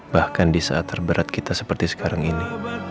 bahkan di saat terberat kita seperti sekarang ini